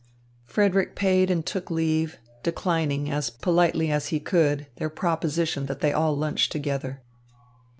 Frederick paid and took leave, declining, as politely as he could, their proposition that they all lunch together.